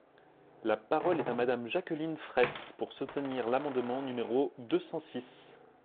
La parole est à Madame Jacqueline Fraysse, pour soutenir l’amendement numéro deux cent six.